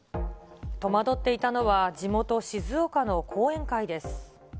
戸惑っていたのは、地元静岡の後援会です。